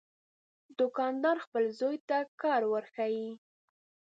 دوکاندار خپل زوی ته کار ورښيي.